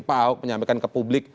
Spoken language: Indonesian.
pak ahok menyampaikan ke publik